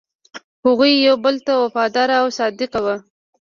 هغوی یو بل ته وفادار او صادق وو.